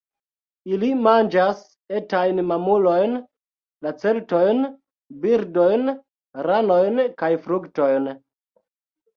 Ili manĝas etajn mamulojn, lacertojn, birdojn, ranojn kaj fruktojn.